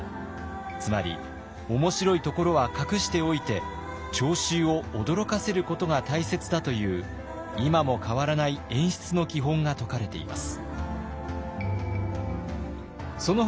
つまり面白いところは隠しておいて聴衆を驚かせることが大切だという今も変わらない演出の基本が説かれています。